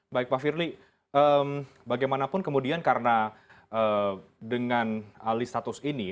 baik pak firly bagaimanapun kemudian karena dengan alih status ini